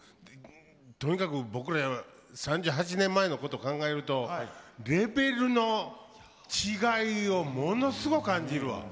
とにかく僕らの３８年前のことを考えるとレベルの違いをものすごい感じるわ。